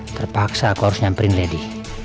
terpaksa aku harus nyamperin lady